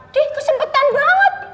dih kesempetan banget